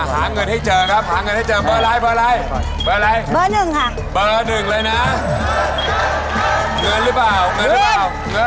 ไปกันเลยดีกว่าไปเล่นดีกว่าครับผม